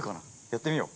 やってみよう。